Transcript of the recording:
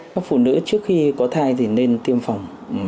các phụ nữ trước khi có thai thì nên tiêm phòng